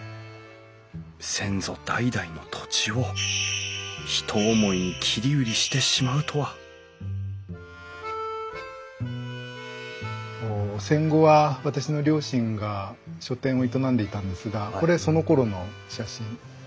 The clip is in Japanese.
先祖代々の土地をひと思いに切り売りしてしまうとは戦後は私の両親が書店を営んでいたんですがこれそのころの写真この場所。